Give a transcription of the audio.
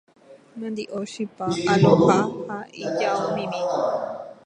Mandi'o, chipa, aloha ha ijaomimi.